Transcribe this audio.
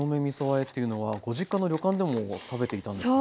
あえっていうのはご実家の旅館でも食べていたんですか？